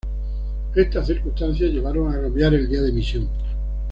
Estas circunstancias llevaron a cambiar el día de emisión.